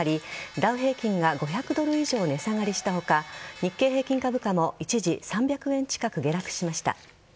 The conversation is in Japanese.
ダウ平均が５００ドル以上値下がりした他日経平均株価も一時、３００円近く下落しました。